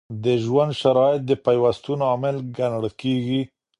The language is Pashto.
د ژوند شرایط د پیوستون عامل ګڼل کیږي.